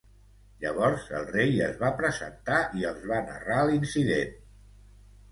Llavors el rei es va presentar i els va narrar l'incident.